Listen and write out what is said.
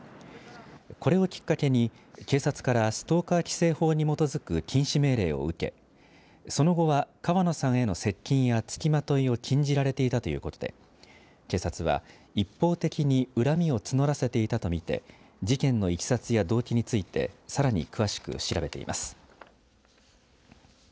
これをきっかけに警察からストーカー規制法に基づく禁止命令を受けその後は川野さんへの接近や付きまといを禁じられていたということで警察は一方的に恨みを募らせていたと見て事件のいきさつや動機についてさらに詳しく調べています。